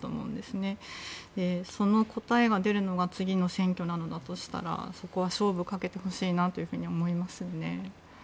その答えが出るのが次の選挙なんだとしたらそこは勝負をかけてほしいと思いますよね。